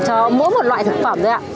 cho mỗi một loại thực phẩm thôi ạ